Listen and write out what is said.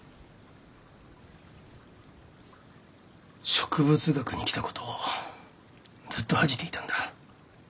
植物学に来たことをずっと恥じていたんだ。